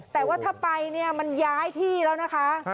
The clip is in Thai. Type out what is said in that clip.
แต่ว่าถ้าไปเนี่ยมันย้ายที่แล้วนะคะ